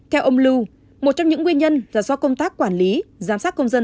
theo ông lưu một trong những nguyên nhân là do công tác quản lý giám sát công dân